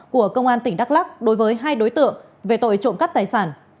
của công an tỉnh đắk lắc đối với hai đối tượng về tội trộm cắp tài sản